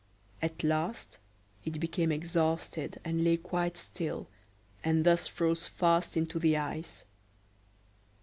At last it became exhausted, and lay quite still, and thus froze fast into the ice.